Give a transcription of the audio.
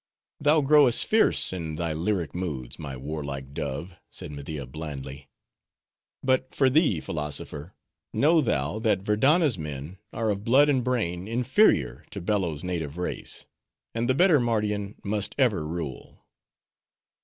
"Thou growest fierce, in thy lyric moods, my warlike dove," said 'Media, blandly. "But for thee, philosopher, know thou, that Verdanna's men are of blood and brain inferior to Bello's native race; and the better Mardian must ever rule."